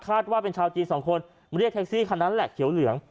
ว่าเป็นชาวจีนสองคนเรียกแท็กซี่คันนั้นแหละเขียวเหลือง